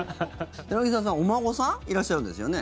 柳澤さん、お孫さんいらっしゃるんですよね。